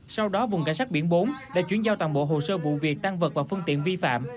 sau đó vùng cảnh sát biển bốn đã chuyển giao toàn bộ hồ sơ vụ việc tăng vật và phương tiện vi phạm